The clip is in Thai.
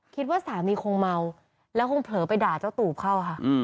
คิดว่าสามีคงเมาแล้วคงเผลอไปด่าเจ้าตูบเข้าค่ะ